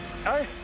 はい！